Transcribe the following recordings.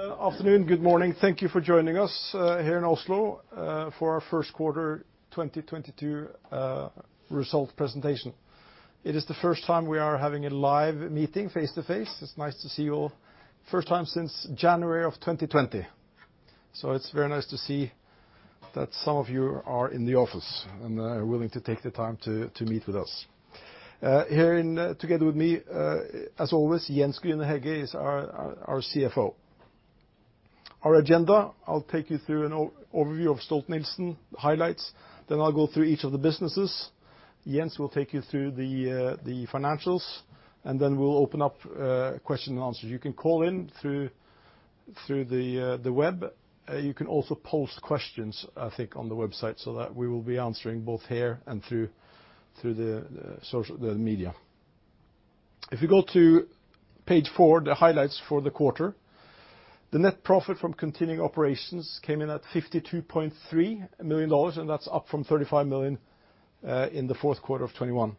Good afternoon, good morning. Thank you for joining us here in Oslo for Our First Quarter 2022 Results Presentation. It is the first time we are having a live meeting face to face. It's nice to see you all. First time since January of 2020, so it's very nice to see that some of you are in the office and are willing to take the time to meet with us here and together with me, as always, Jens Grüner-Hegge is our CFO. Our agenda, I'll take you through an overview of Stolt-Nielsen highlights, then I'll go through each of the businesses. Jens will take you through the financials, and then we'll open up question and answers. You can call in through the web. You can also post questions, I think, on the website, so that we will be answering both here and through the social media. If you go to page four, the highlights for the quarter, the net profit from continuing operations came in at $52.3 million and that's up from 35 million in the fourth quarter of 2021.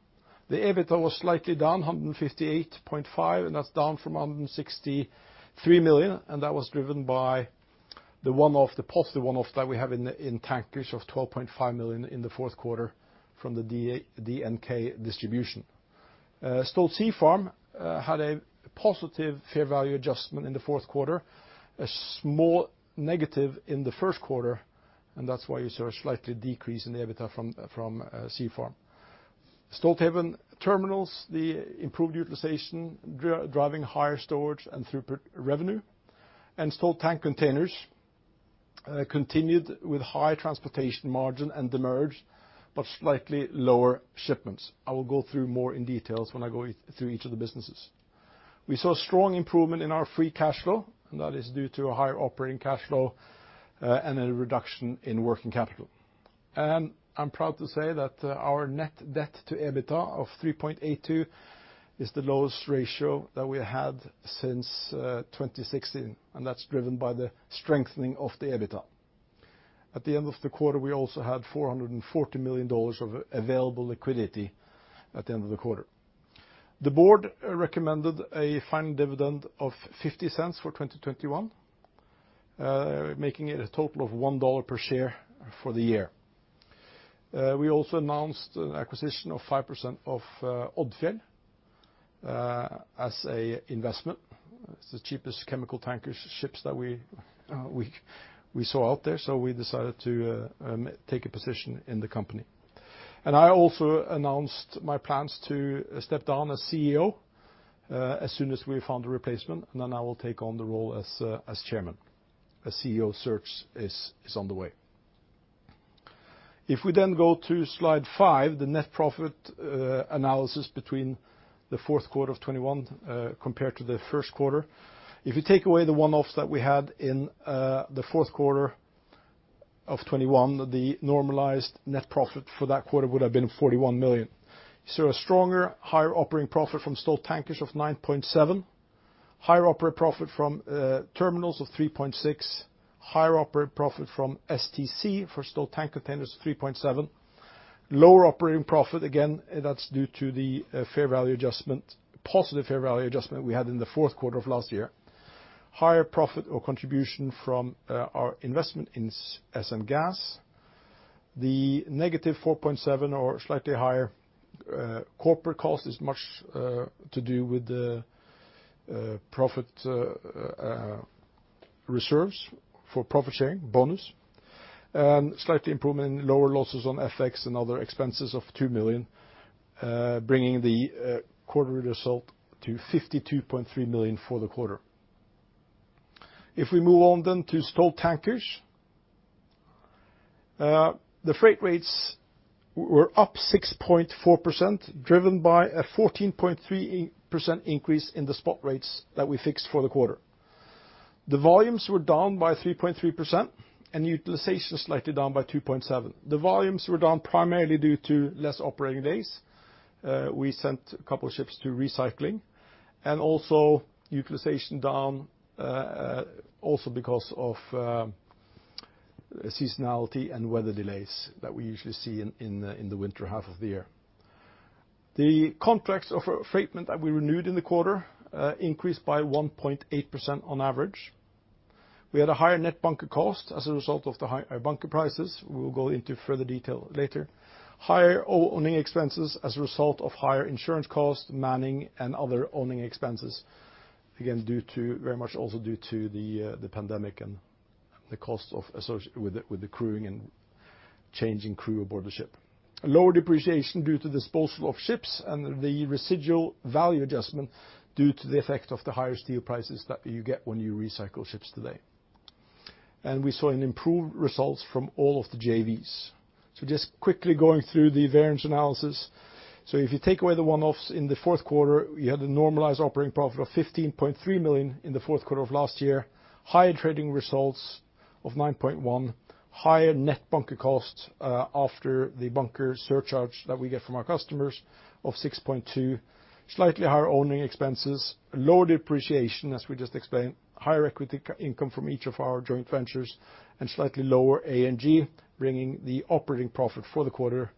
The EBITDA was slightly down, 158.5, and that's down from 163 million and that was driven by the one-off, the positive one-off that we have in Tankers of 12.5 million in the fourth quarter from the DNK distribution. Stolt Sea Farm had a positive fair value adjustment in the fourth quarter, a small negative in the first quarter, and that's why you saw a slight decrease in EBITDA from Sea Farm. Stolthaven Terminals, the improved utilization driving higher storage and throughput revenue. Stolt Tank Containers continued with high transportation margin and demand, but slightly lower shipments. I will go through more details when I go through each of the businesses. We saw strong improvement in our free cash flow, and that is due to a higher operating cash flow and a reduction in working capital. I'm proud to say that our net debt to EBITDA of 3.82 is the lowest ratio that we had since 2016, and that's driven by the strengthening of the EBITDA. At the end of the quarter, we also had $440 million of available liquidity at the end of the quarter. The board recommended a final dividend of 0.50 cents for 2021, making it a total of $1 per share for the year. We also announced an acquisition of 5% of Odfjell as an investment. It's the cheapest chemical tankers ships that we saw out there, so we decided to take a position in the company. I also announced my plans to step down as CEO as soon as we have found a replacement, and then I will take on the role as chairman. A CEO search is on the way. If we then go to slide five, the net profit analysis between the fourth quarter of 2021 compared to the first quarter. If you take away the one-offs that we had in the fourth quarter of 2021, the normalized net profit for that quarter would have been $41 million. You saw a stronger higher operating profit from Stolt Tankers of 9.7; higher operating profit from Stolthaven Terminals of 3.6; higher operating profit from STC, Stolt Tank Containers of 3.7. Lower operating profit, again, that's due to the fair value adjustment, positive fair value adjustment we had in the fourth quarter of last year. Higher profit or contribution from our investment in Stolt-Nielsen Gas. The negative 4.7 or slightly higher corporate cost is much to do with the profit reserves for profit sharing bonus. Slight improvement in lower losses on FX and other expenses of 2 million, bringing the quarter result to 52.3 million for the quarter. If we move on then to Stolt Tankers, the freight rates were up 6.4%, driven by a 14.3% increase in the spot rates that we fixed for the quarter. The volumes were down by 3.3%, and utilization slightly down by 2.7%. The volumes were down primarily due to less operating days. We sent a couple ships to recycling and also utilization down, also because of seasonality and weather delays that we usually see in the winter half of the year. The contracts of affreightment that we renewed in the quarter increased by 1.8% on average. We had a higher net bunker cost as a result of the high bunker prices. We will go into further detail later. Higher owning expenses as a result of higher insurance costs, manning and other owning expenses, again, due to, very much also due to the pandemic and the cost associated with the crewing and changing crew aboard the ship. Lower depreciation due to disposal of ships and the residual value adjustment due to the effect of the higher steel prices that you get when you recycle ships today. We saw improved results from all of the JVs. Just quickly going through the variance analysis. If you take away the one-offs in the fourth quarter, you had a normalized operating profit of $15.3 million in the fourth quarter of last year. Higher trading results of 9.1 million. Higher net bunker costs after the bunker surcharge that we get from our customers of 6.2. Slightly higher owning expenses. Lower depreciation, as we just explained. Higher equity income from each of our joint ventures. Slightly lower A&G, bringing the operating profit for the quarter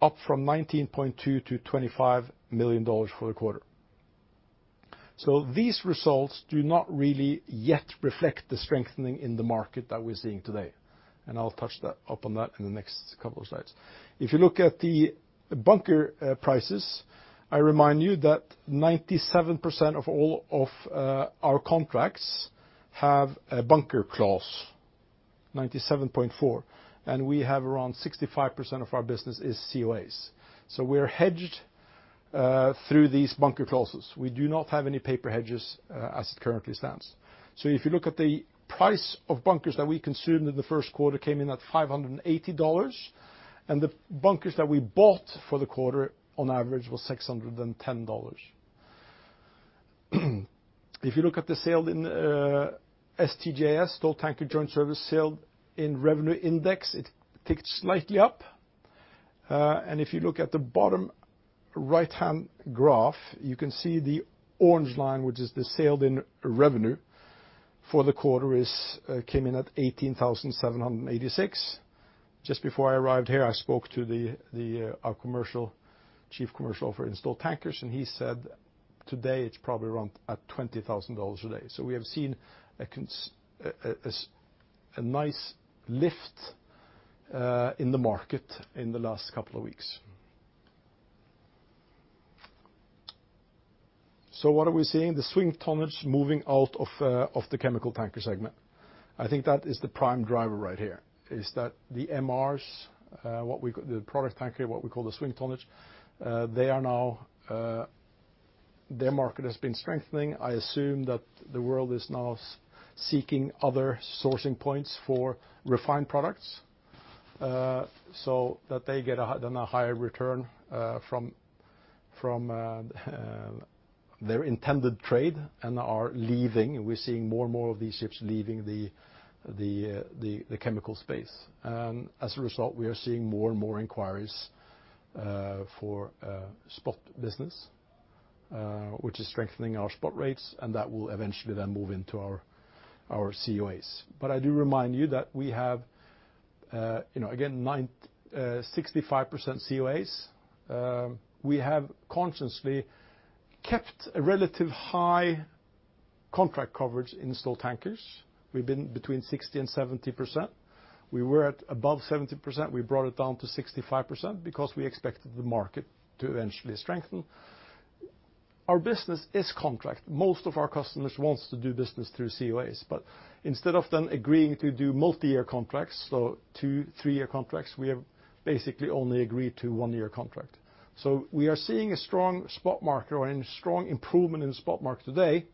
up from 19.2 to $25 million for the quarter. So these results do not really yet reflect the strengthening in the market that we're seeing today, and I'll touch upon that in the next couple of slides. If you look at the bunker prices, I remind you that 97% of all of our contracts have a bunker clause, 97.4%, and we have around 65% of our business is COAs. We're hedged through these bunker clauses. We do not have any paper hedges as it currently stands. If you look at the price of bunkers that we consumed in the first quarter came in at $580, and the bunkers that we bought for the quarter on average was $610. If you look at the sailed-in STJS, Stolt Tanker Joint Service, sailed-in revenue index, it ticked slightly up. If you look at the bottom right-hand graph, you can see the orange line, which is the sailed-in revenue for the quarter, came in at 18,786. Just before I arrived here, I spoke to our Chief Commercial Officer for Stolt Tankers, and he said today it's probably around at $20,000 a day. We have seen a nice lift in the market in the last couple of weeks. What are we seeing? The swing tonnage moving out of the chemical tanker segment. I think that is the prime driver right here, is that the MRs, the product tanker, what we call the swing tonnage, they are now, their market has been strengthening. I assume that the world is now seeking other sourcing points for refined products, so that they get a higher return from their intended trade and are leaving. We're seeing more and more of these ships leaving the chemical space and as a result, we are seeing more and more inquiries for spot business, which is strengthening our spot rates and that will eventually move into our COAs. But I do remind you that we have, you know, again, 95% COAs. We have consciously kept a relatively high contract coverage in Stolt Tankers. We've been between 60%-70%. We were at above 70%. We brought it down to 65% because we expected the market to eventually strengthen. Our business is contract. Most of our customers want to do business through COAs. Instead of them agreeing to do multi-year contracts, 2-, 3-year contracts, we have basically only agreed to 1-year contract. We are seeing a strong spot market or a strong improvement in the spot market today.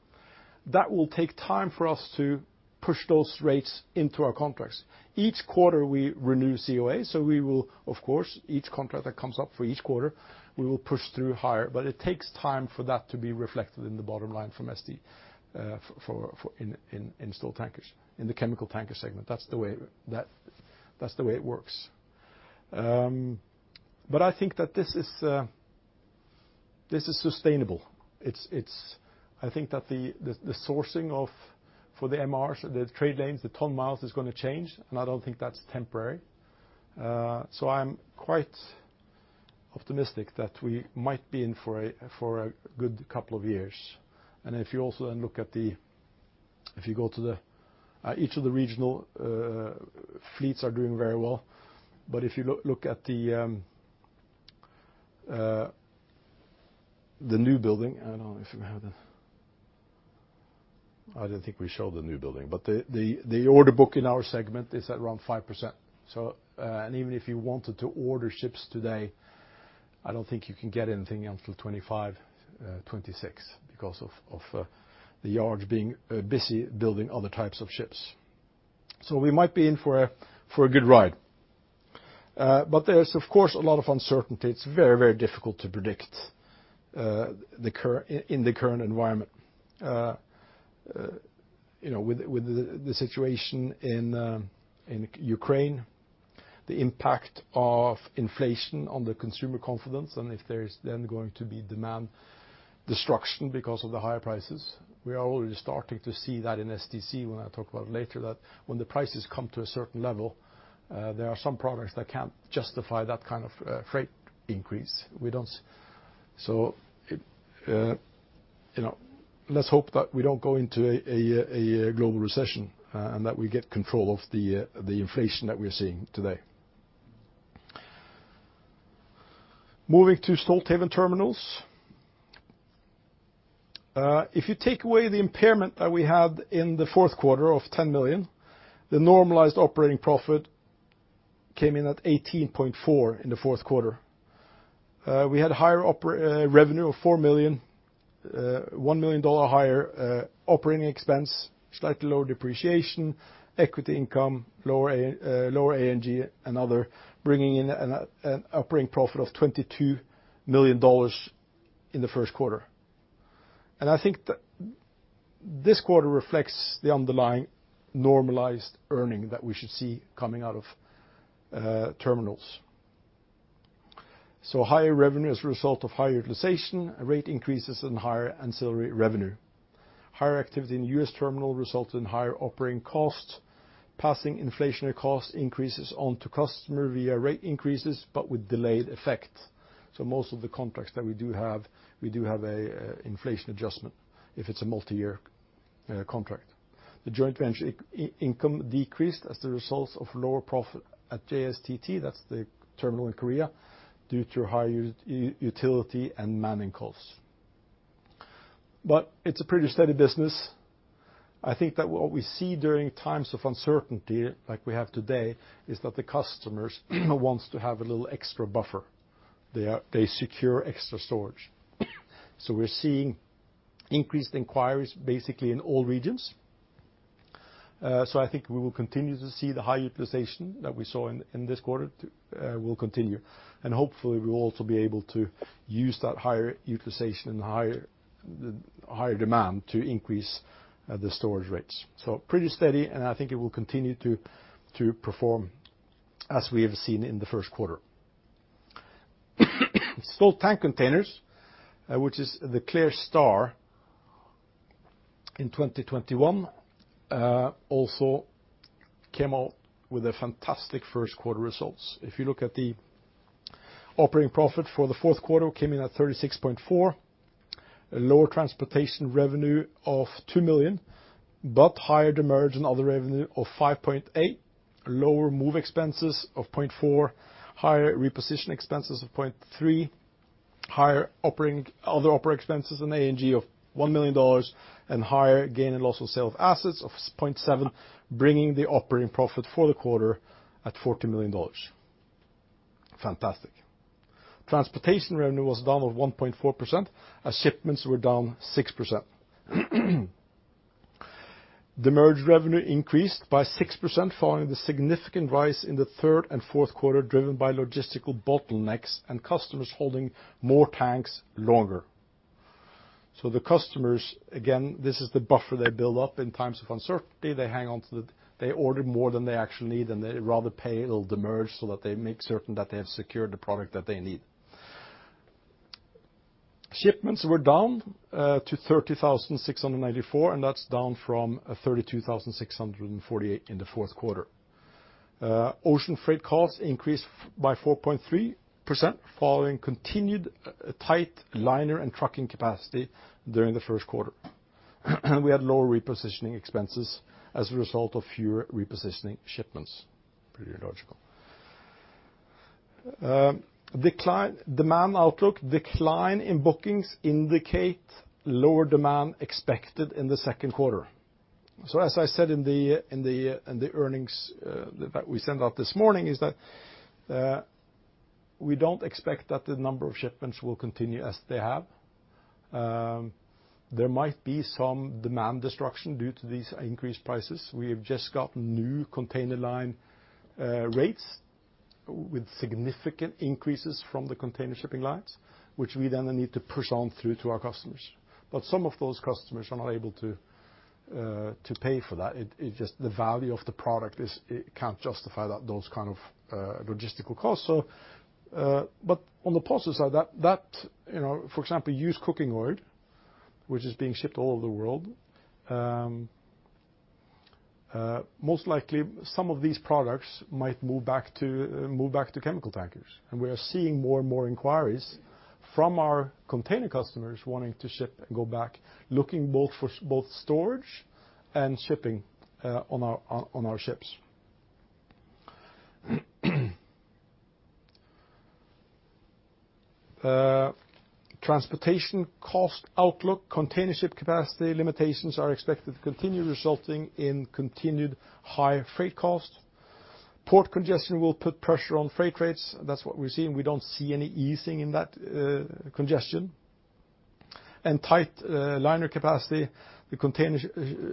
That will take time for us to push those rates into our contracts. Each quarter we renew COAs, we will, of course, each contract that comes up for each quarter, we will push through higher. It takes time for that to be reflected in the bottom line from ST for Stolt Tankers, in the chemical tanker segment. That's the way it works. I think that this is sustainable. I think that the sourcing for the MRs, the trade lanes, the ton miles is gonna change, and I don't think that's temporary. So I'm quite optimistic that we might be in for a good couple of years. If you go to each of the regional fleets, they are doing very well. If you look at the new building, I don't know if you have it. I didn't think we showed the new building, but the order book in our segment is at around 5%. Even if you wanted to order ships today, I don't think you can get anything until 2025, 26, because of the yards being busy building other types of ships. We might be in for a good ride. But there is, of course, a lot of uncertainty. It's very, very difficult to predict the current environment. You know, with the situation in Ukraine, the impact of inflation on the consumer confidence, and if there is then going to be demand destruction because of the higher prices. We are already starting to see that in STC when I talk about it later, that when the prices come to a certain level, there are some products that can't justify that kind of freight increase. You know, let's hope that we don't go into a global recession, and that we get control of the inflation that we're seeing today. Moving to Stolthaven Terminals. If you take away the impairment that we had in the fourth quarter of 10 million, the normalized operating profit came in at 18.4 in the fourth quarter. We had higher revenue of 4 million, $1 million higher operating expense, slightly lower depreciation, equity income, lower A&G and other, bringing in an operating profit of $22 million in the first quarter. And I think that this quarter reflects the underlying normalized earnings that we should see coming out of terminals. Higher revenue as a result of higher utilization, rate increases and higher ancillary revenue. Higher activity in U.S. terminal resulted in higher operating costs, passing inflationary cost increases on to customer via rate increases, but with delayed effect. Most of the contracts that we do have, we do have a inflation adjustment if it's a multi-year contract. The joint venture income decreased as the result of lower profit at JSTT, that's the terminal in Korea, due to higher utility and manning costs. It's a pretty steady business. I think that what we see during times of uncertainty, like we have today, is that the customers, you know, wants to have a little extra buffer. They secure extra storage. We're seeing increased inquiries basically in all regions. I think we will continue to see the high utilization that we saw in this quarter will continue and hopefully we will also be able to use that higher utilization, higher demand to increase the storage rates. Pretty steady, and I think it will continue to perform as we have seen in the first quarter. Stolt Tank Containers, which is the clear star in 2021, also came out with a fantastic first quarter results. If you look at the operating profit for the fourth quarter, which came in at 36.4. Lower transportation revenue of 2 million, but higher demurrage and other revenue of 5.8. Lower move expenses of 0.4. Higher reposition expenses of 0.3. Higher other operating expenses and A&G of $1 million, and higher gain/loss on sale of assets of 0.7; bringing the operating profit for the quarter at $40 million. Fantastic. Transportation revenue was down 1.4% as shipments were down 6%. Demurrage revenue increased by 6% following the significant rise in the third and fourth quarter, driven by logistical bottlenecks and customers holding more tanks longer. The customers, again, this is the buffer they build up in times of uncertainty. They hang on to them. They order more than they actually need, and they rather pay a little demurrage so that they make certain that they have secured the product that they need. Shipments were down to 30,694, and that's down from 32,648 in the fourth quarter. Ocean freight costs increased by 4.3% following continued tight liner and trucking capacity during the first quarter. We had lower repositioning expenses as a result of fewer repositioning shipments. Pretty logical. Demand outlook decline in bookings indicate lower demand expected in the second quarter. As I said in the earnings that we sent out this morning is that we don't expect that the number of shipments will continue as they have. There might be some demand destruction due to these increased prices. We have just got new container line rates with significant increases from the container shipping lines, which we then need to push on through to our customers. Some of those customers are not able to pay for that. It just, the value of the product is it can't justify those kind of logistical costs. On the positive side, that you know, for example, used cooking oil, which is being shipped all over the world, most likely some of these products might move back to chemical tankers. We are seeing more and more inquiries from our container customers wanting to ship looking both for storage and shipping on our ships. Transportation cost outlook. Container ship capacity limitations are expected to continue resulting in continued high freight costs. Port congestion will put pressure on freight rates. That's what we're seeing. We don't see any easing in that congestion. Tight liner capacity, the container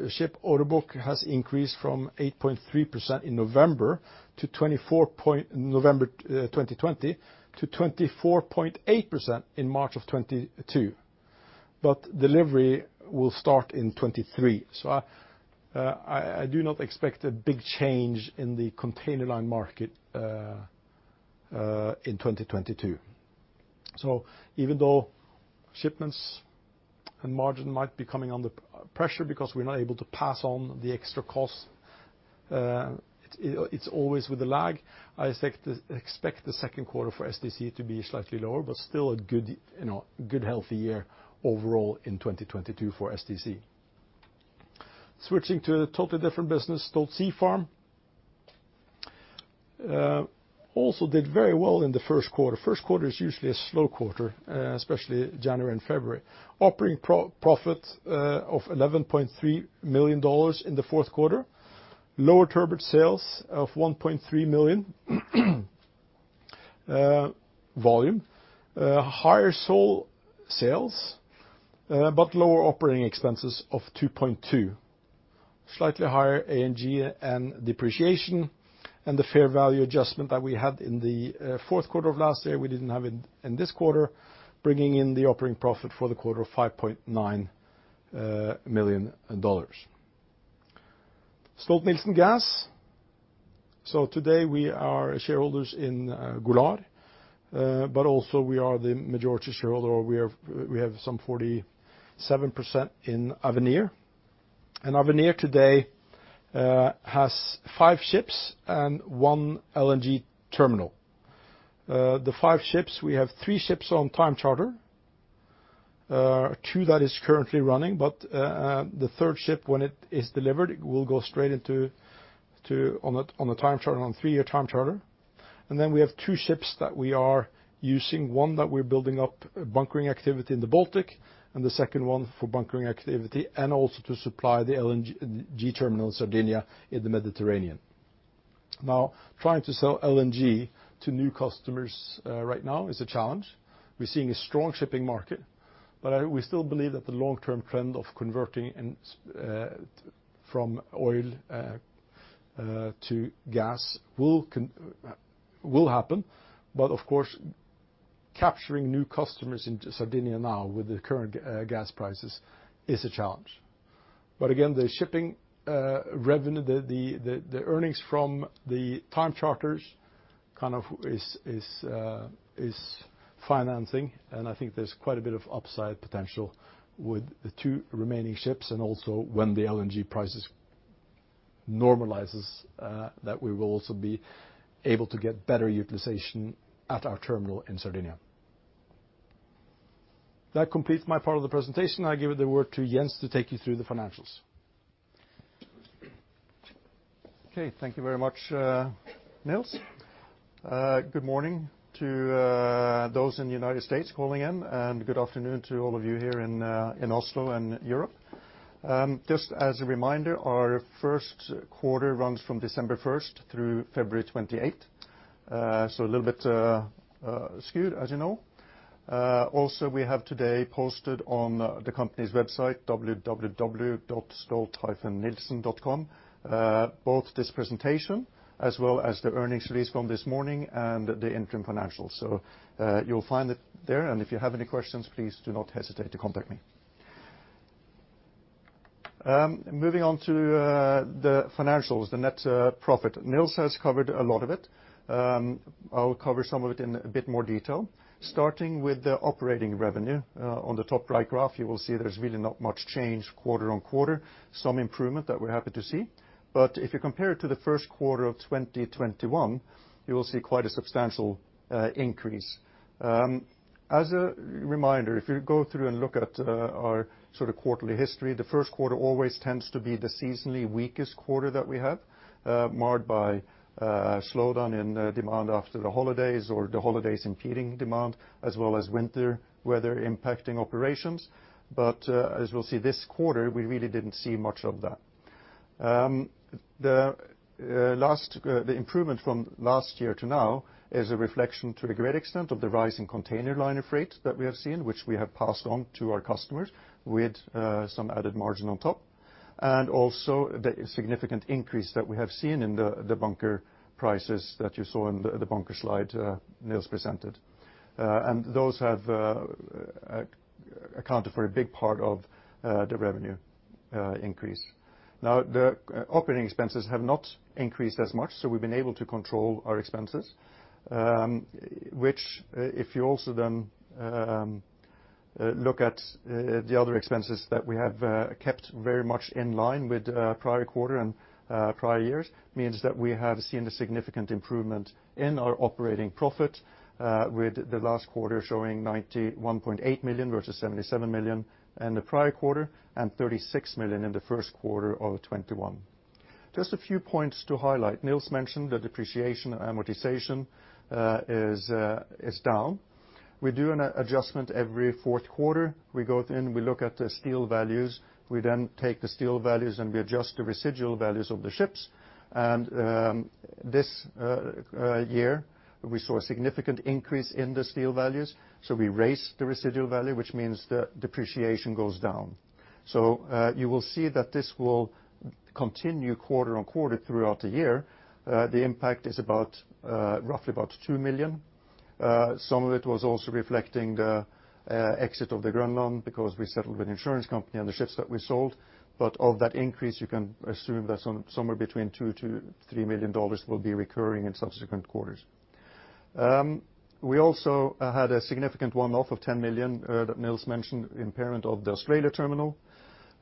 ship order book has increased from 8.3% in November 2020 to 24.8% in March of 2022. Delivery will start in 2023. I do not expect a big change in the container line market in 2022. So, even though shipments and margin might be coming under pressure because we're not able to pass on the extra costs, it's always with a lag. I expect the second quarter for STC to be slightly lower, but still a good, you know, good healthy year overall in 2022 for STC. Switching to a totally different business, Stolt Sea Farm also did very well in the first quarter. First quarter is usually a slow quarter, especially January and February. Operating profit of $11.3 million in the fourth quarter. Lower turbot sales of 1.3 million volume. Higher sole sales, but lower operating expenses of 2.2. Slightly higher A&G and depreciation, and the fair value adjustment that we had in the fourth quarter of last year we didn't have in this quarter, bringing in the operating profit for the quarter of $5.9 million. Stolt-Nielsen Gas. Today we are shareholders in Golar, but also we are the majority shareholder or we have some 47% in Avenir. Avenir today has five ships and one LNG terminal. The five ships, we have three ships on time charter, two that is currently running, but the third ship when it is delivered will go straight into a time charter on three-year time charter. We have 2 ships that we are using, one that we're building up bunkering activity in the Baltic, and the second one for bunkering activity and also to supply the LNG terminal in Sardinia in the Mediterranean. Now, trying to sell LNG to new customers right now is a challenge. We're seeing a strong shipping market, but we still believe that the long-term trend of converting from oil to gas will happen. But of course, capturing new customers into Sardinia now with the current gas prices is a challenge. Again, the shipping revenue, the earnings from the time charters kind of is financing, and I think there's quite a bit of upside potential with the two remaining ships and also when the LNG prices normalizes, that we will also be able to get better utilization at our terminal in Sardinia. That completes my part of the presentation. I give the word to Jens to take you through the financials. Okay. Thank you very much, Niels. Good morning to those in the United States calling in, and good afternoon to all of you here in Oslo and Europe. Just as a reminder, our first quarter runs from December first through February 28. So a little bit skewed, as you know. Also, we have today posted on the company's website, www.stolt-nielsen.com, both this presentation as well as the earnings release from this morning and the interim financials. So, you'll find it there, and if you have any questions, please do not hesitate to contact me. Moving on to the financials, the net profit. Niels has covered a lot of it. I will cover some of it in a bit more detail. Starting with the operating revenue, on the top right graph, you will see there's really not much change quarter-on-quarter. Some improvement that we're happy to see. If you compare it to the first quarter of 2021, you will see quite a substantial increase. As a reminder, if you go through and look at our sort of quarterly history, the first quarter always tends to be the seasonally weakest quarter that we have, marred by a slowdown in demand after the holidays or the holidays impeding demand, as well as winter weather impacting operations. As we'll see this quarter, we really didn't see much of that. The improvement from last year to now is a reflection to a great extent of the rise in container liner freight that we have seen, which we have passed on to our customers with some added margin on top, and also the significant increase that we have seen in the bunker prices that you saw in the bunker slide Niels presented. Those have accounted for a big part of the revenue increase. Now, the operating expenses have not increased as much, so we've been able to control our expenses, which if you also then look at the other expenses that we have kept very much in line with prior quarter and prior years, means that we have seen a significant improvement in our operating profit, with the last quarter showing $91.8 million versus $77 million in the prior quarter and $36 million in the first quarter of 2021. Just a few points to highlight. Niels mentioned the depreciation and amortization is down. We do an adjustment every fourth quarter. We go in, we look at the steel values. We then take the steel values, and we adjust the residual values of the ships. And this year, we saw a significant increase in the steel values, so we raised the residual value, which means the depreciation goes down. So, you will see that this will continue quarter-over-quarter throughout the year. The impact is about roughly 2 million. Some of it was also reflecting the exit of the Grønland because we settled with insurance company and the ships that we sold. Of that increase, you can assume that somewhere between $2 million-$3 million will be recurring in subsequent quarters. We also had a significant one-off of $10 million that Niels mentioned, impairment of the Australian terminal.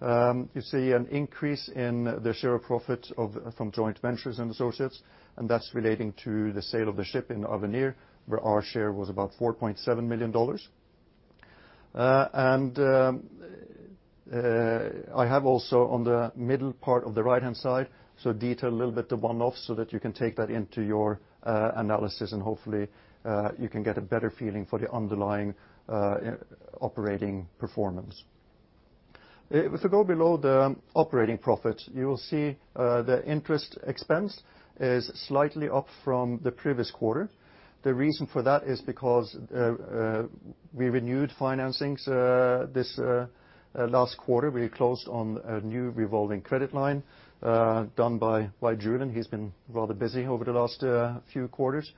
You see an increase in the share of profit of, from joint ventures and associates, and that's relating to the sale of the ship in Avenir, where our share was about $4.7 million. I have also on the middle part of the right-hand side, so detail a little bit the one-off so that you can take that into your analysis and hopefully you can get a better feeling for the underlying operating performance. If we go below the operating profit, you will see the interest expense is slightly up from the previous quarter. The reason for that is because we renewed financings this last quarter. We closed on a new revolving credit line done by Julian. He's been rather busy over the last few quarters,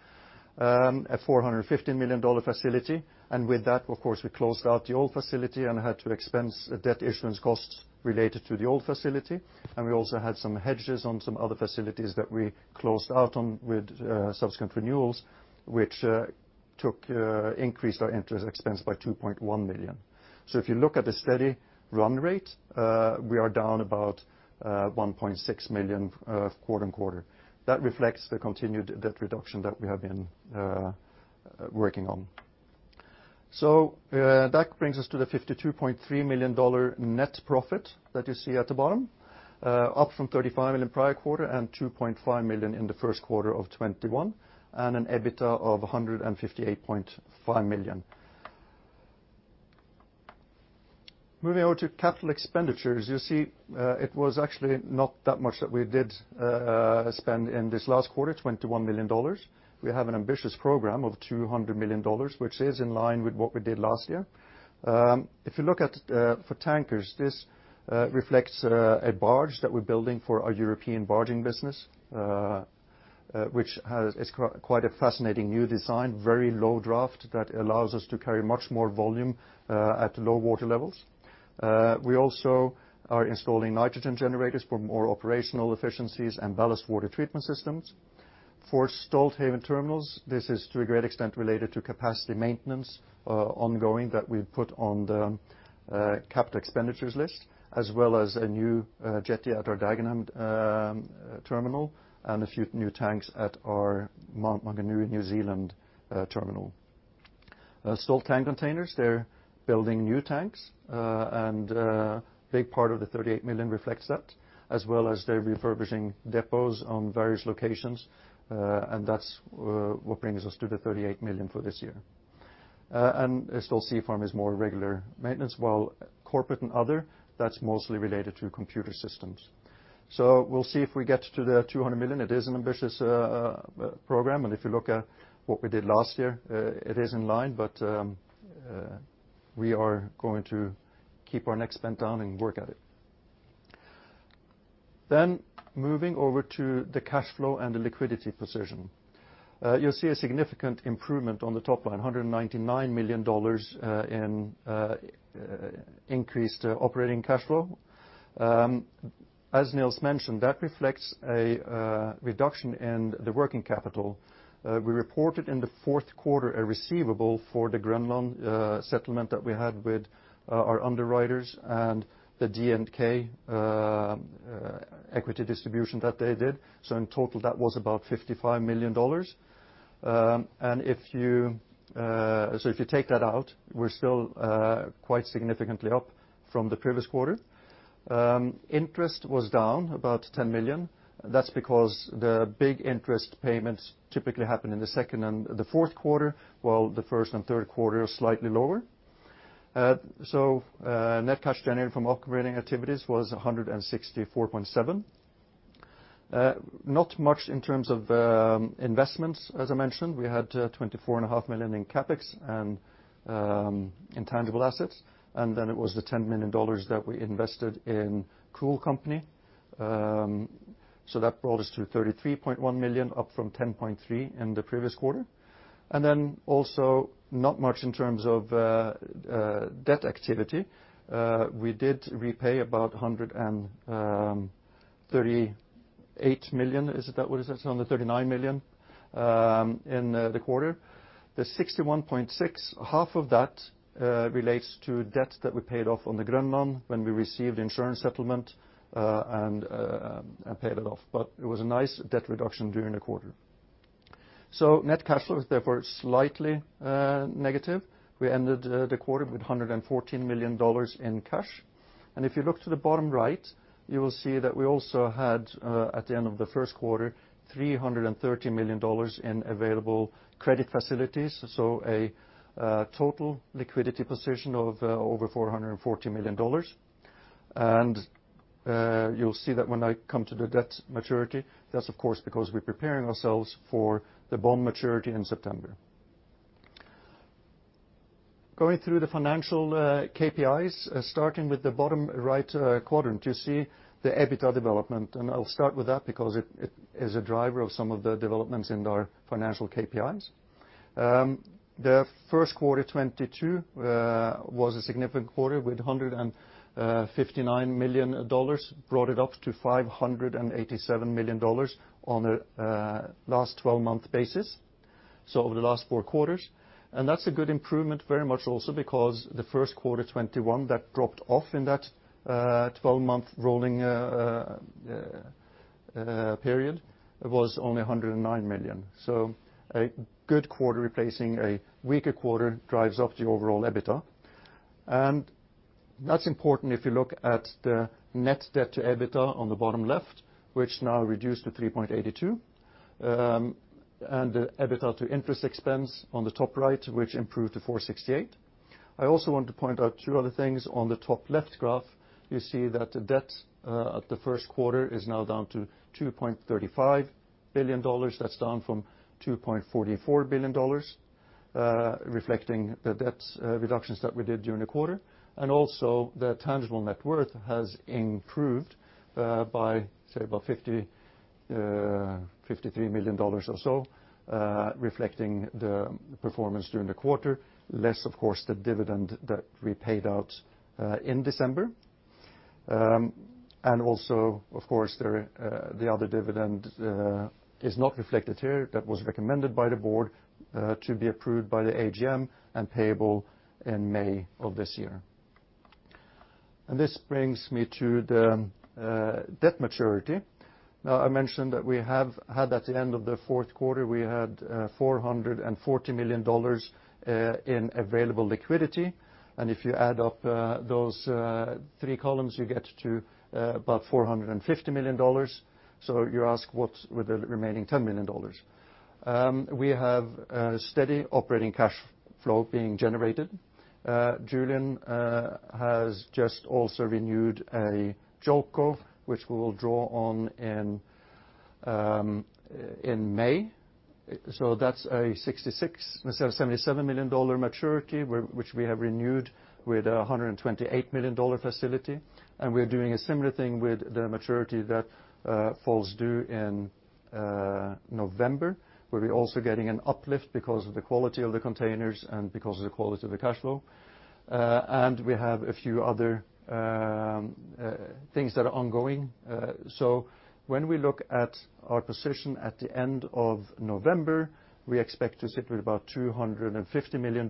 a $450 million facility. With that, of course, we closed out the old facility and had to expense debt issuance costs related to the old facility. We also had some hedges on some other facilities that we closed out on with subsequent renewals, which increased our interest expense by 2.1 million. If you look at the steady run rate, we are down about 1.6 million quarter-on-quarter. That reflects the continued debt reduction that we have been working on. That brings us to the $52.3 million net profit that you see at the bottom. Up from 35 million prior quarter and 2.5 million in the first quarter of 2021. An EBITDA of $158.5 million. Moving over to capital expenditures. You see, it was actually not that much that we did spend in this last quarter, $21 million. We have an ambitious program of $200 million, which is in line with what we did last year. If you look at for tankers, this reflects a barge that we're building for our European barging business, which has quite a fascinating new design, very low draft that allows us to carry much more volume at low water levels. We also are installing nitrogen generators for more operational efficiencies and ballast water treatment systems. For Stolthaven Terminals, this is to a great extent related to capacity maintenance, ongoing that we put on the capital expenditures list, as well as a new jetty at our Dagenham terminal and a few new tanks at our Mount Maunganui, New Zealand terminal. Stolt Tank Containers, they're building new tanks. A big part of the $38 million reflects that, as well as they're refurbishing depots on various locations. That's what brings us to the $38 million for this year. Stolt Sea Farm is more regular maintenance, while corporate and other, that's mostly related to computer systems. We'll see if we get to the $200 million. It is an ambitious program, and if you look at what we did last year, it is in line. We are going to keep our neck bent down and work at it. Moving over to the cash flow and the liquidity position. You'll see a significant improvement on the top line, $199 million in increased operating cash flow. As Niels mentioned, that reflects a reduction in the working capital. We reported in the fourth quarter a receivable for the Grønland settlement that we had with our underwriters and the DNK equity distribution that they did. In total, that was about $55 million. If you take that out, we're still quite significantly up from the previous quarter. Interest was down about 10 million. That's because the big interest payments typically happen in the second and the fourth quarter, while the first and third quarter are slightly lower. Net cash generated from operating activities was 164.7. Not much in terms of investments. As I mentioned, we had 24 and a half million in CapEx and intangible assets and then it was the $10 million that we invested in Cool Company. So, that brought us to 33.1 million, up from 10.3 in the previous quarter. Also not much in terms of debt activity. We did repay about 138 million. Is that what it says? 139 million in the quarter. The 61.6 million, half of that, relates to debt that we paid off on the Grønland when we received the insurance settlement, and paid it off. It was a nice debt reduction during the quarter. So, net cash flow is therefore slightly negative. We ended the quarter with $114 million in cash. If you look to the bottom right, you will see that we also had, at the end of the first quarter, $330 million in available credit facilities. A total liquidity position of over $440 million. You'll see that when I come to the debt maturity. That's of course, because we're preparing ourselves for the bond maturity in September. Going through the financial KPIs, starting with the bottom right quadrant, you see the EBITDA development. I'll start with that because it is a driver of some of the developments in our financial KPIs. The first quarter 2022 was a significant quarter with $159 million, brought it up to $587 million on a last 12-month basis, so over the last four quarters. That's a good improvement very much also because the first quarter 2021 that dropped off in that 12-month rolling period was only $109 million. A good quarter replacing a weaker quarter drives up the overall EBITDA. That's important if you look at the net debt to EBITDA on the bottom left, which now reduced to 3.82. The EBITDA to interest expense on the top right, which improved to 468. I also want to point out two other things. On the top left graph, you see that the debt at the first quarter is now down to $2.35 billion. That's down from $2.44 billion, reflecting the debt reductions that we did during the quarter. The tangible net worth has improved by, say, about $53 million or so, reflecting the performance during the quarter. Less, of course, the dividend that we paid out in December. The other dividend is not reflected here. That was recommended by the board to be approved by the AGM and payable in May of this year. This brings me to the debt maturity. Now, I mentioned that we had at the end of the fourth quarter $440 million in available liquidity. If you add up those three columns, you get to about $450 million. You ask, what's with the remaining $10 million? We have steady operating cash flow being generated. Julian has just also renewed a JOCO, which we will draw on in May. That's a 66 to $77 million maturity, which we have renewed with a $128 million facility. We're doing a similar thing with the maturity that falls due in November, where we're also getting an uplift because of the quality of the containers and because of the quality of the cash flow. We have a few other things that are ongoing. When we look at our position at the end of November, we expect to sit with about $250 million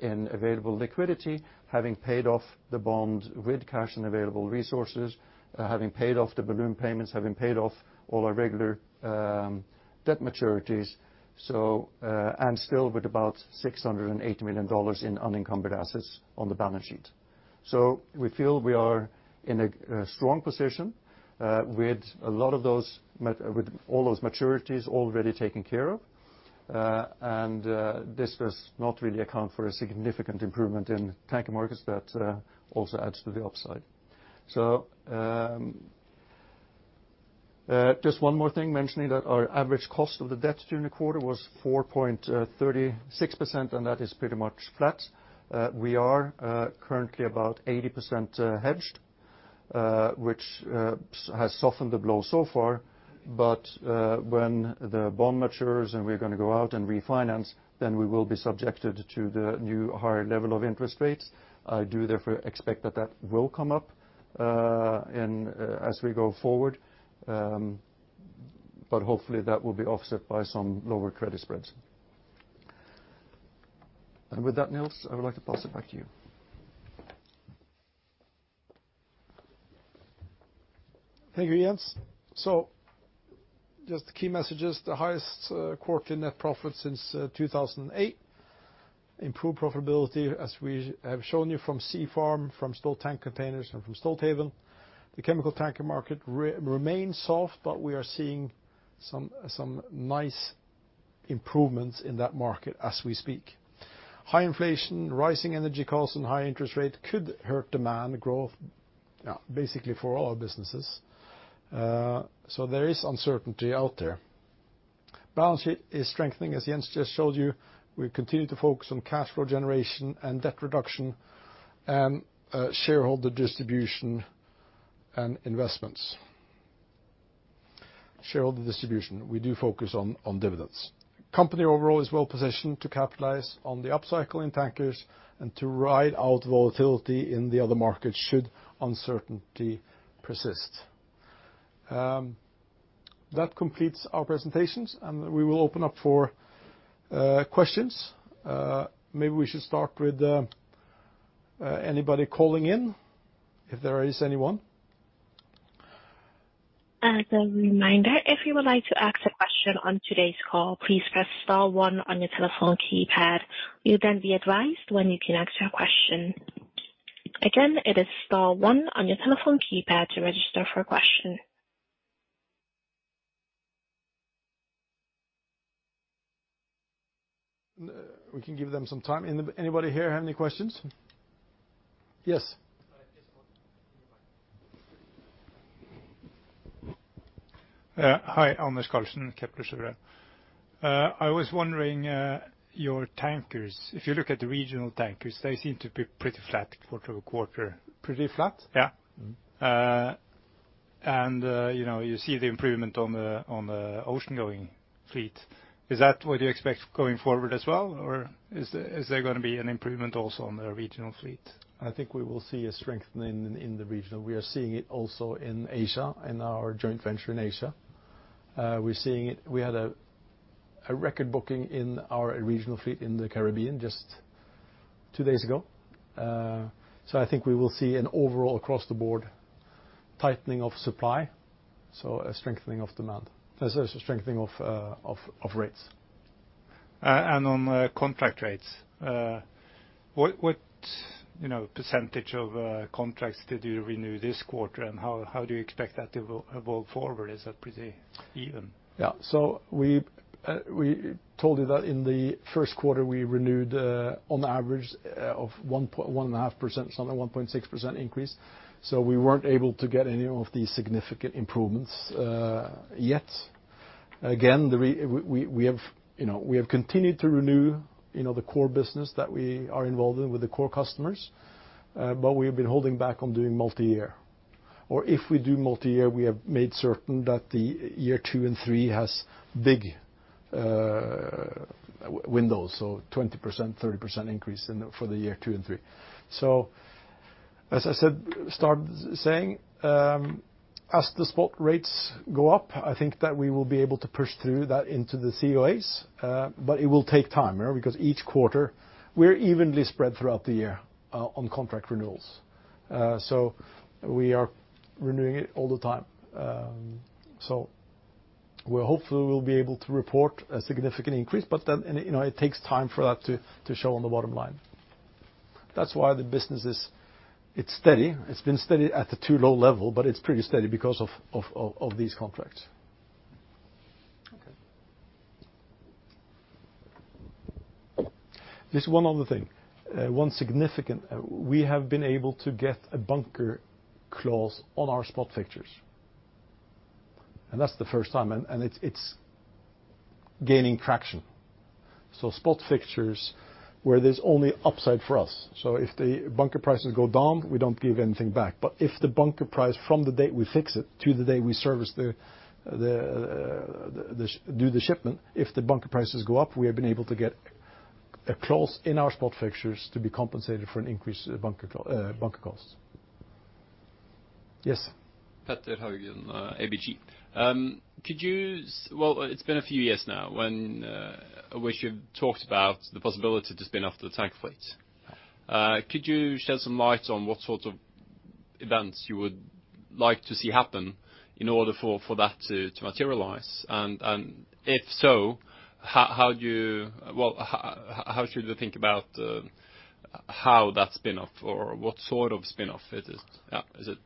in available liquidity, having paid off the bond with cash and available resources, having paid off the balloon payments, having paid off all our regular debt maturities. This does not really account for a significant improvement in tanker markets that also adds to the upside. Just one more thing, mentioning that our average cost of the debt during the quarter was 4.36%, and that is pretty much flat. We are currently about 80% hedged, which has softened the blow so far. When the bond matures and we're gonna go out and refinance, then we will be subjected to the new higher level of interest rates. I do therefore expect that that will come up in as we go forward, but hopefully that will be offset by some lower credit spreads. With that, Niels, I would like to pass it back to you. Thank you, Jens. Just the key messages, the highest quarterly net profit since 2008. Improved profitability, as we have shown you from Stolt Sea Farm, from Stolt Tank Containers and from Stolthaven Terminals. The chemical tanker market remains soft, but we are seeing some nice improvements in that market as we speak. High inflation, rising energy costs and high interest rate could hurt demand growth, basically for all our businesses. There is uncertainty out there. Balance sheet is strengthening, as Jens just showed you. We continue to focus on cash flow generation and debt reduction and shareholder distribution and investments. Shareholder distribution, we do focus on dividends. Company overall is well-positioned to capitalize on the upcycle in tankers and to ride out volatility in the other markets should uncertainty persist. That completes our presentations, and we will open up for questions. Maybe we should start with anybody calling in, if there is anyone. As a reminder, if you would like to ask a question on today's call, please press star one on your telephone keypad. You'll then be advised when you can ask your question. Again, it is star one on your telephone keypad to register for a question. We can give them some time. Anybody here have any questions? Yes. Hi, Anders Karlsen, Kepler Cheuvreux. I was wondering, your tankers, if you look at the regional tankers, they seem to be pretty flat quarter-over-quarter. Pretty flat? Yeah, you know, you see the improvement on the ocean-going fleet. Is that what you expect going forward as well, or is there gonna be an improvement also on the regional fleet? I think we will see a strengthening in the regional. We are seeing it also in Asia, in our joint venture in Asia. We're seeing it. We had a record booking in our regional fleet in the Caribbean just two days ago. I think we will see an overall across-the-board tightening of supply, so a strengthening of demand. There's a strengthening of rates. On contract rates, what, you know, percentage of contracts did you renew this quarter, and how do you expect that to evolve forward? Is that pretty even? We told you that in the first quarter we renewed on average of 1.5%, something 1.6% increase. We weren't able to get any of these significant improvements yet. Again, we have continued to renew, you know, the core business that we are involved in with the core customers. But we've been holding back on doing multi-year. If we do multi-year, we have made certain that the year two and three has big windows, so 20%, 30% increase in the for the year two and three. As I started saying, as the spot rates go up, I think that we will be able to push through that into the COAs, but it will take time, you know. Because each quarter we're evenly spread throughout the year on contract renewals. We are renewing it all the time. We're hopefully will be able to report a significant increase, but then, and you know, it takes time for that to show on the bottom line. That's whye b thusiness is, it's steady. It's been steady at the too low level, but it's pretty steady because of these contracts. Okay. There's one other significant thing. We have been able to get a bunker clause on our spot fixtures. That's the first time, and it's gaining traction. Spot fixtures where there's only upside for us. If the bunker prices go down, we don't give anything back. If the bunker price from the date we fix it to the day we service the shipment, if the bunker prices go up, we have been able to get a clause in our spot fixtures to be compensated for an increase in bunker costs. Yes. Petter Haugen, ABG. Well, it's been a few years now when we should talk about the possibility to spin off the tank fleet. Could you shed some light on what sorts of events you would like to see happen in order for that to materialize? And if so, how do you, well, how should I think about how that spin-off or what sort of spin-off it is? Is it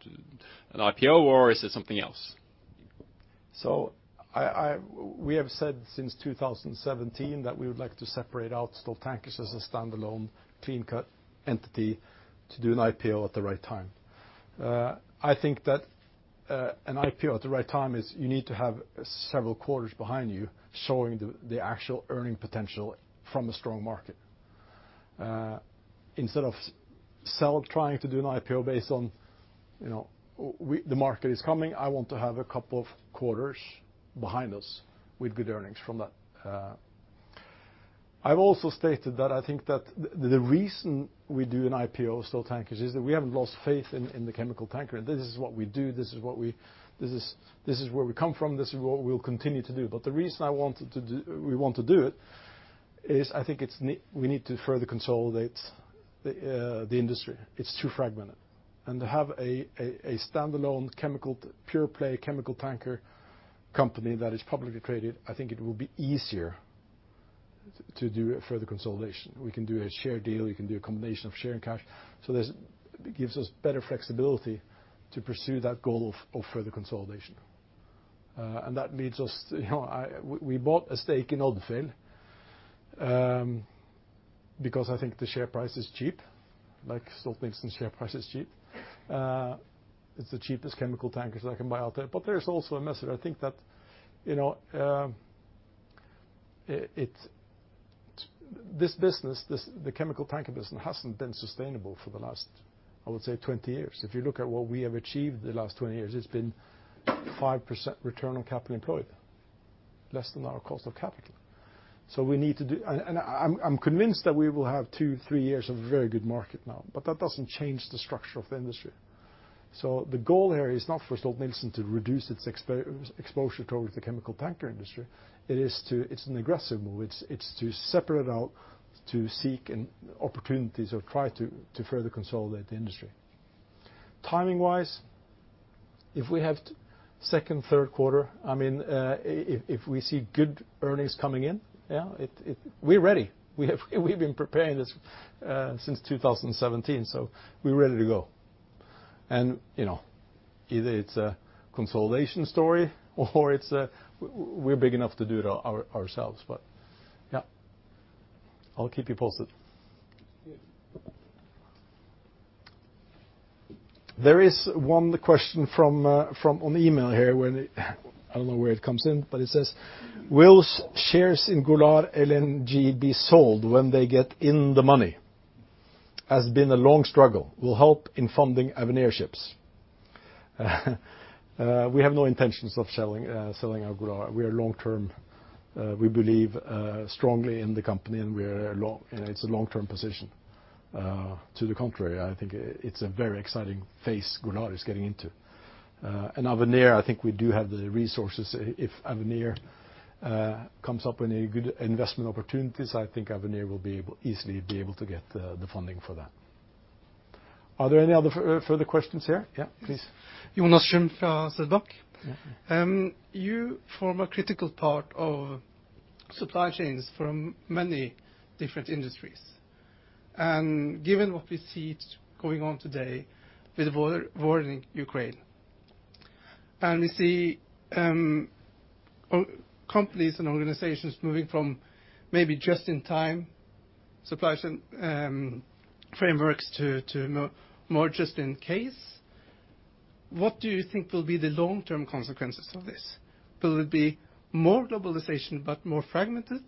an IPO or is it something else? We have said since 2017 that we would like to separate out Stolt Tankers as a standalone clean cut entity to do an IPO at the right time. I think that an IPO at the right time is you need to have several quarters behind you showing the actual earning potential from a strong market. Instead of trying to do an IPO based on, you know, the market is coming, I want to have a couple of quarters behind us with good earnings from that. I've also stated that I think that the reason we do an IPO of Stolt Tankers is that we haven't lost faith in the chemical tanker. This is what we do, this is where we come from, this is what we'll continue to do. The reason we want to do it is I think we need to further consolidate the industry. It's too fragmented. To have a standalone chemical pure play chemical tanker company that is publicly traded, I think it will be easier to do a further consolidation. We can do a share deal, you can do a combination of share and cash. This gives us better flexibility to pursue that goal of further consolidation. That leads us, we bought a stake in Odfjell because I think the share price is cheap, like Stolt-Nielsen share price is cheap. It's the cheapest chemical tankers I can buy out there. There's also a message. I think that, you know, this business, the chemical tanker business hasn't been sustainable for the last, I would say, 20 years. If you look at what we have achieved the last 20 years, it's been 5% return on capital employed, less than our cost of capital. We need to do. I'm convinced that we will have 2-3 years of very good market now, but that doesn't change the structure of the industry. The goal here is not for Stolt-Nielsen to reduce its exposure towards the chemical tanker industry. It is to, it's an aggressive move. It's to separate out, to seek opportunities or try to further consolidate the industry. Timing-wise, if we have second, third quarter, I mean, if we see good earnings coming in, we're ready. We've been preparing this since 2017, so we're ready to go. You know, either it's a consolidation story or we're big enough to do it ourselves. Yeah, I'll keep you posted. There is one question from an email here. I don't know where it comes in, but it says, "Will shares in Golar LNG be sold when they get in the money? Has been a long struggle. Will help in funding Avenir ships." We have no intentions of selling our Golar. We are long-term. We believe strongly in the company, and we are long, you know, it's a long-term position. To the contrary, I think it's a very exciting phase Golar is getting into. Avenir, I think we do have the resources. If Avenir comes up with any good investment opportunities, I think Avenir will be able, easily be able to get the funding for that. Are there any other further questions here? Yeah, please. Jonas Ahlström from SEB. Yeah. You form a critical part of supply chains from many different industries. Given what we see going on today with war in Ukraine, and we see companies and organizations moving from maybe just in time supplies and frameworks to more just in case, what do you think will be the long-term consequences of this? Will it be more globalization but more fragmented,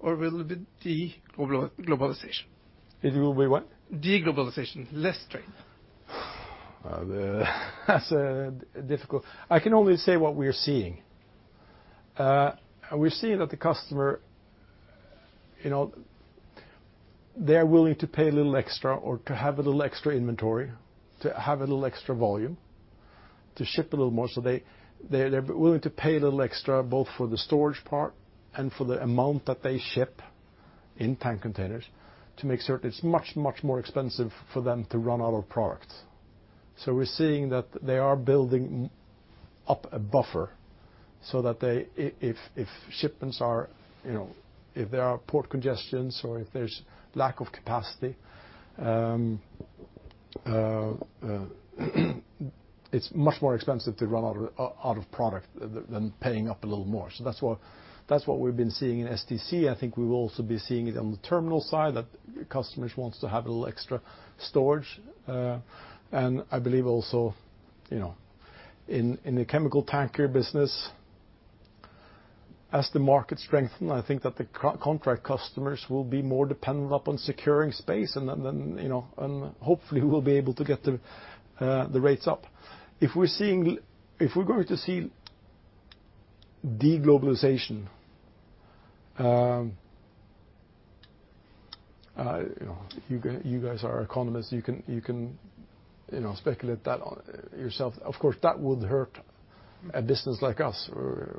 or will it be de-globalization? It will be what? Deglobalization. Less trade. I can only say what we are seeing. We're seeing that the customer, you know, they are willing to pay a little extra or to have a little extra inventory, to have a little extra volume, to ship a little more. They are willing to pay a little extra both for the storage part and for the amount that they ship in tank containers to make certain it's much more expensive for them to run out of product. We're seeing that they are building up a buffer so that they, if shipments are, you know, if there are port congestions or if there's lack of capacity, it's much more expensive to run out of product than paying up a little more. That's what we've been seeing in STC. I think we will also be seeing it on the terminal side, that customers wants to have a little extra storage. I believe also, you know, in the chemical tanker business, as the market strengthen, I think that the contract customers will be more dependent upon securing space and then, you know, and hopefully we'll be able to get the rates up. If we're going to see deglobalization, you know, you guys are economists, you can speculate that yourself. Of course, that would hurt a business like us.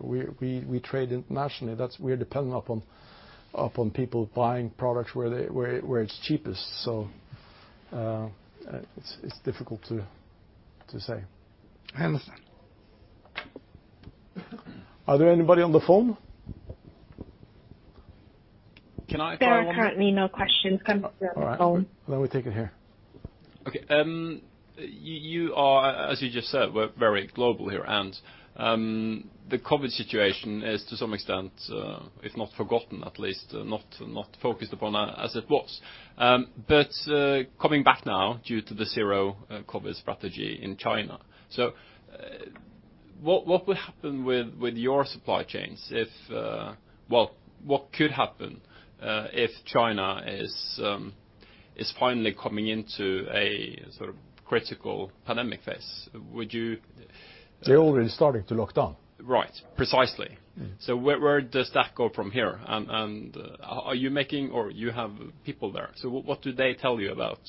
We trade internationally. We're dependent upon people buying products where it's cheapest. It's difficult to say. I understand. Is there anybody on the phone? Can I- There are currently no questions coming through. All right. We take it here. Okay. You are, as you just said, we're very global here, and the COVID situation is to some extent, if not forgotten, at least not focused upon as it was. Coming back now due to the zero COVID strategy in China. Well, what could happen if China is finally coming into a sort of critical pandemic phase? Would you- They're already starting to lock down. Right. Precisely. Mm-hmm. Where does that go from here? Are you making or you have people there? What do they tell you about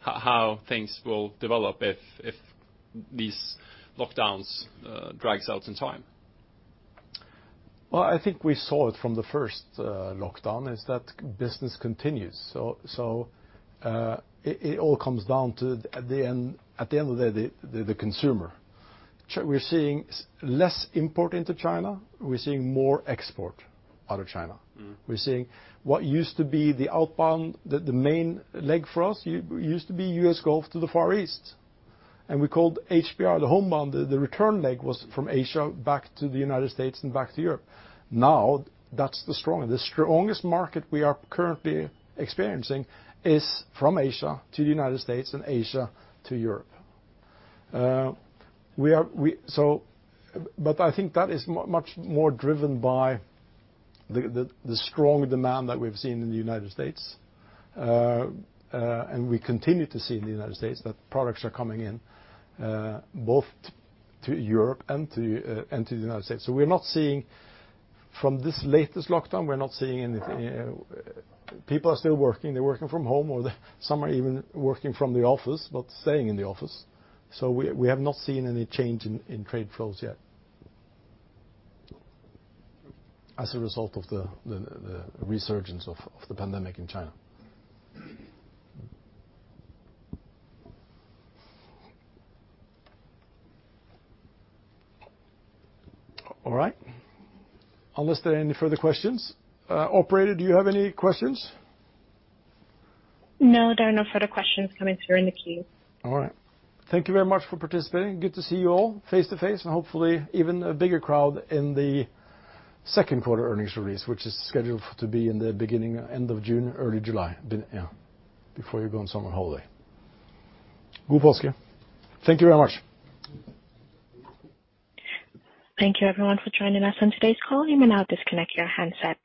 how things will develop if these lockdowns drags out in time? Well, I think we saw it from the first lockdown is that business continues. It all comes down to, at the end of the day, the consumer. We're seeing less import into China. We're seeing more export out of China. Mm-hmm. We're seeing what used to be the outbound, the main leg for us, it used to be U.S. Gulf to the Far East, and we called HBR the home bound. The return leg was from Asia back to the United States and back to Europe. Now, the strongest market we are currently experiencing is from Asia to the United States and Asia to Europe. I think that is much more driven by the strong demand that we've seen in the United States, and we continue to see in the United States, that products are coming in, both to Europe and to the United States. We're not seeing anything from this latest lockdown. People are still working. They're working from home, or some are even working from the office, but staying in the office. We have not seen any change in trade flows yet as a result of the resurgence of the pandemic in China. All right. Unless there are any further questions. Operator, do you have any questions? No, there are no further questions coming through in the queue. All right. Thank you very much for participating. Good to see you all face to face and hopefully even a bigger crowd in the second quarter earnings release, which is scheduled to be in the beginning, end of June, early July. Yeah, before you go on summer holiday. [inaudible] Thank you very much. Thank you, everyone, for joining us on today's call. You may now disconnect your handset.